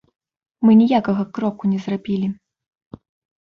Мы ніякага кроку не зрабілі.